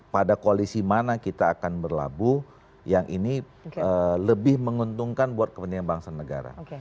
pada koalisi mana kita akan berlabuh yang ini lebih menguntungkan buat kepentingan bangsa dan negara